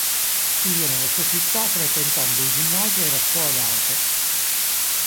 Studiò nella sua città, frequentando il ginnasio e la scuola d'arte.